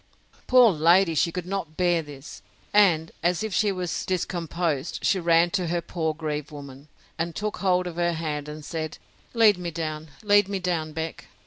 Poor lady, she could not bear this; and, as if she was discomposed, she ran to her poor grieved woman, and took hold of her hand, and said, Lead me down, lead me down, Beck!